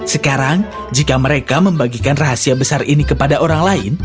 sekarang jika mereka membagikan rahasia besar ini kepada orang lain